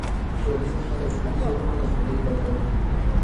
ټولنیز نهاد د ټولنیزو کړنو د همغږۍ برخه ده.